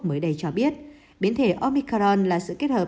mới đây cho biết biến thể omicaron là sự kết hợp